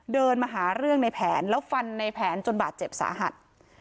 เดินมาหาเรื่องในแผนแล้วฟันในแผนจนบาดเจ็บสาหัส